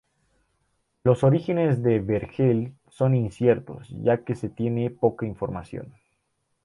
Los orígenes de Vergel son inciertos, ya que se tiene poca información.